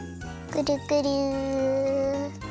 くるくる。